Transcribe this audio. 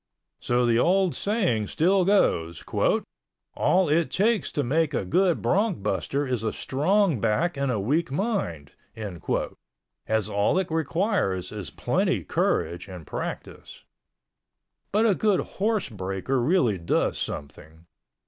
So the old saying still goes ... "all it takes to make a good bronc buster is a strong back and a weak mind" ... as all it requires is plenty courage and practice. But a good horse breaker really does something.